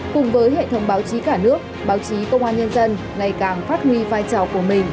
cùng với hệ thống báo chí cả nước báo chí công an nhân dân ngày càng phát huy vai trò của mình